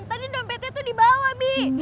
tadi dompetnya tuh di bawah bi